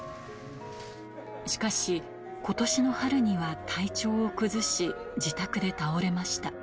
しかし、ことしの春には体調を崩し、自宅で倒れました。